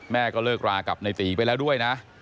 แม่ก็เลิกรากับในตีไปแล้วด้วยนะ